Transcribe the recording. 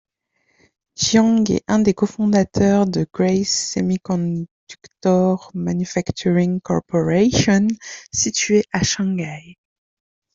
Jiang est un des cofondateurs de Grace Semiconductor Manufacturing Corporation, situé à Shanghai.